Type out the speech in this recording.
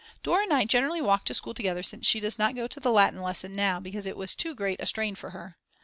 Dora and I generally walk to school together since she does not go to the Latin lesson now because it was too great a strain for her.